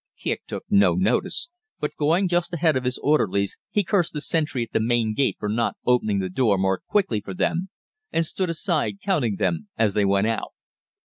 Kicq took no notice, but going just ahead of his orderlies he cursed the sentry at the main gate for not opening the door more quickly for them, and stood aside counting them as they went out.